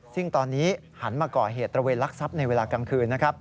ซึ่งตอนนี้หันมาก่อเหตุตระเวนลักทรัพย์ในเวลากลางคืนนะครับ